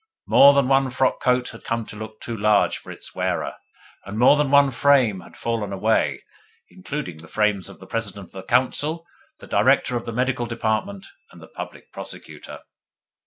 More than one frockcoat had come to look too large for its wearer, and more than one frame had fallen away, including the frames of the President of the Council, the Director of the Medical Department, and the Public Prosecutor.